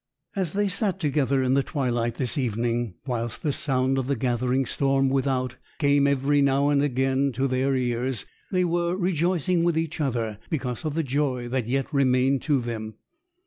As they sat together in the twilight this evening, whilst the sound of the gathering storm without came every now and again to their ears, they were rejoicing with each other because of the joy that yet remained to them.